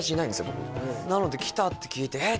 僕なので来たって聞いてえっ？